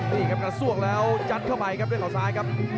นี่ครับกระซวกแล้วยัดเข้าไปครับด้วยเขาซ้ายครับ